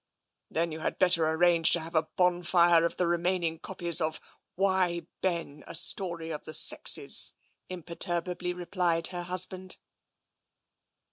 " Then you had better arrange to have a bonfire of the remaining copies of ' Why, Ben! A Story of the Sexes,' " imperturbably replied her husband.